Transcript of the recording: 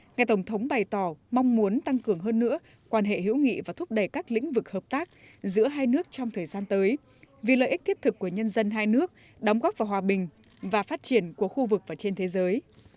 ngài tổng thống bày tỏ mong muốn tăng cường hơn nữa quan hệ hữu nghị và thúc đẩy các lĩnh vực hợp tác giữa hai nước trong thời gian tới vì lợi ích thiết thực của nhân dân hai nước đóng góp vào hòa bình và phát triển của khu vực và trên thế giới